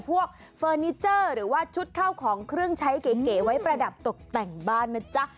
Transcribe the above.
เฟอร์นิเจอร์หรือว่าชุดเข้าของเครื่องใช้เก๋ไว้ประดับตกแต่งบ้านนะจ๊ะ